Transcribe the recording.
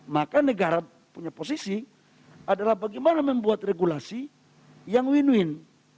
maka negara punya posisi adalah bagaimana membuat regulasi yang win win